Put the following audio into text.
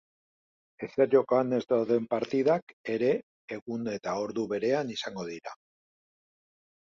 Ezer joakoan ez dauden partidak ere egun eta ordu berean izango dira.